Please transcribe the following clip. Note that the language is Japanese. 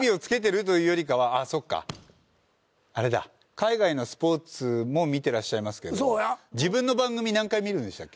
海外のスポーツも見てらっしゃいますけど自分の番組何回見るんでしたっけ？